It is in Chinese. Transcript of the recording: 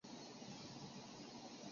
国民大会大明星小跟班